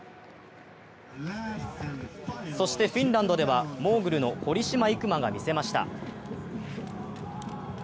そしてフィンランドではモーグルの堀島行真が見せました。